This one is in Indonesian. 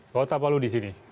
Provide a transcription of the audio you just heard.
kota palu di sini